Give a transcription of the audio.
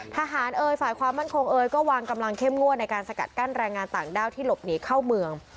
เอ่ยฝ่ายความมั่นคงเอยก็วางกำลังเข้มงวดในการสกัดกั้นแรงงานต่างด้าวที่หลบหนีเข้าเมือง